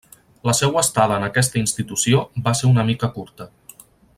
La seua estada en aquesta institució va ser una mica curta.